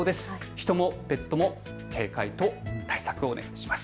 人もペットも警戒と対策をお願いします。